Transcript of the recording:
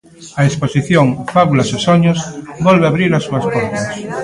A exposición 'Fábulas e soños' volve a abrir as súas portas.